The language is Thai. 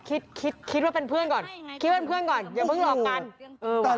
เออคิดว่าเป็นเพื่อนก่อนอย่าเพิ่งหลอกกัน